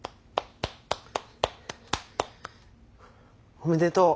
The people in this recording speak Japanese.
おめでとう！